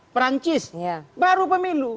perancis baru pemilu